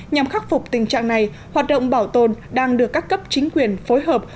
nhằm khắc phục tình trạng này hoạt động bảo tồn đang được các cấp chính quyền phối hợp